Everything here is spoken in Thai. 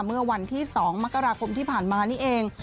เมื่อวันที่๒มกราคมที่ผ่านมานี่เอง